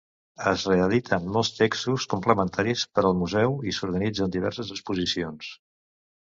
Es reediten molts textos complementaris per al Museu i s'organitzen diverses exposicions.